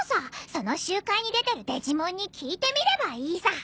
その集会に出てるデジモンに聞いてみればいいさ。